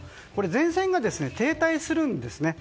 前線が停滞するんですね。